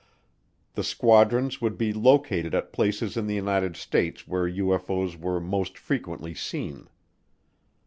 The squadrons would be located at places in the United States where UFO's were most frequently seen.